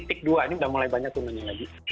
ini udah mulai banyak turunannya lagi